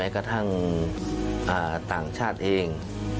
กระทั่งต่างชาติเอง